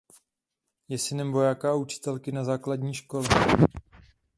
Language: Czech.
Je synem vojáka a učitelky na základní škole.